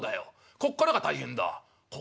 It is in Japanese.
「こっからが大変？